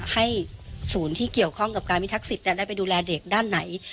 ให้ศูนย์ที่เกี่ยวข้องกับการพิทักษิตได้ไปดูแลเด็กด้านไหน